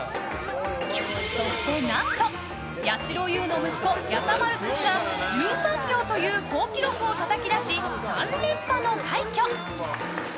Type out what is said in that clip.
そして何とやしろ優の息子やさまる君が１３秒という好記録をたたき出し３連覇の快挙！